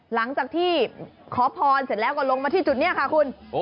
หลังจากที่ขอพรเสร็จแล้วก็ลงมาที่จุดนี้ค่ะคุณ